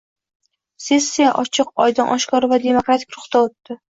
Sessiya – ochiq, oydin, oshkora va demokratik ruhda o‘tdi